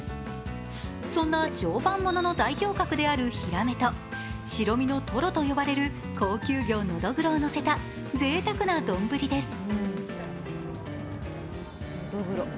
そんな常磐ものの代表格であるひらめと白身のとろと呼ばれる高級魚ノドグロをのせた、ぜいたくな丼です。